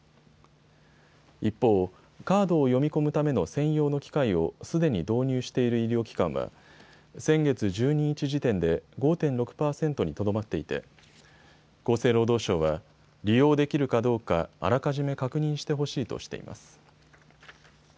一方、カードを読み込むための専用の機械をすでに導入している医療機関は先月１２日時点で５．６％にとどまっていて厚生労働省は利用できるかどうか、あらかじめ確認してほしいとしています。